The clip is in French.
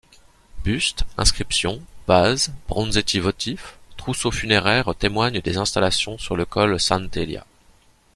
Bustes, inscriptions, vases, bronzetti votifs, trousseaux funéraires témoignent des installations sur le col Sant'Elia.